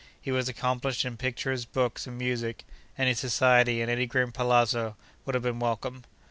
He was accomplished in pictures, books, and music; and his society, in any grim palazzo, would have been welcome.